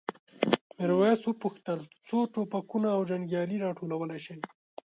میرويس وپوښتل څو ټوپکونه او جنګیالي راټولولی شئ؟